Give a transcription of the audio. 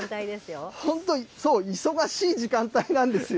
本当、そう、忙しい時間帯なんですよ。